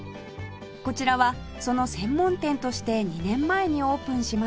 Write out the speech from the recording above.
こちらはその専門店として２年前にオープンしました